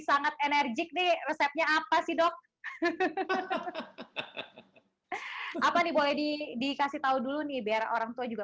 sangat enerjik nih resepnya apa sih dok apa nih boleh dikasih tahu dulu nih biar orang tua juga